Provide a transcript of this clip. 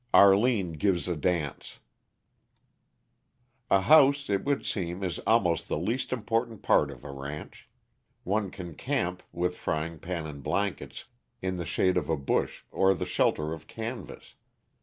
ARLINE GIVES A DANCE A house, it would seem, is almost the least important part of a ranch; one can camp, with frying pan and blankets, in the shade of a bush or the shelter of canvas.